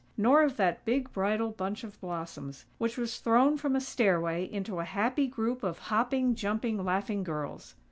nor of that big bridal bunch of blossoms, which was thrown from a stairway into a happy group of hopping, jumping, laughing girls.